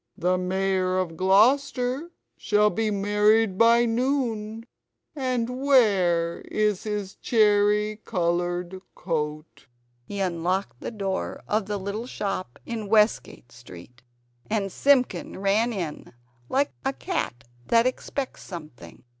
The Mayor of Gloucester shall be married by noon and where is his cherry coloured coat?" He unlocked the door of the little shop in Westgate Street, and Simpkin ran in, like a cat that expects something.